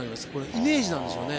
イメージなんですよね。